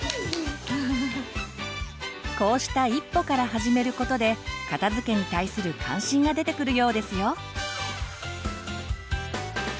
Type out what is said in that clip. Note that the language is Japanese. こうした一歩から始めることで片づけに対する関心が出てくるようですよ。